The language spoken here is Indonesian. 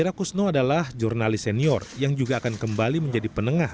ira kusno adalah jurnalis senior yang juga akan kembali menjadi penengah